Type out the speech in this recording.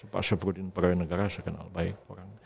pak syafruddin perwira negara saya kenal baik